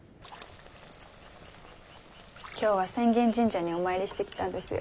今日は浅間神社にお参りしてきたんですよ。